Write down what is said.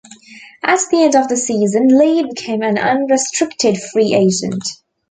At the end of the season, Lee became an unrestricted free agent.